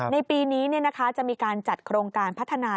ในปีนี้จะมีการจัดโครงการพัฒนา